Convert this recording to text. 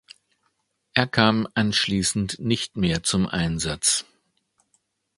Er kam anschließend nicht mehr zum Einsatz.